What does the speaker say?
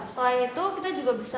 selain itu kita juga bisa